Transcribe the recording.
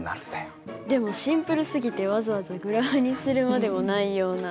でもシンプルすぎてわざわざグラフにするまでもないような。